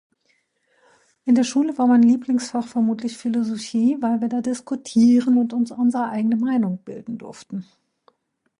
In der Schule war mein Lieblingsfach vermutlich Philosophie, weil wir da diskutieren und uns unsere eigene Meinung bilden durften.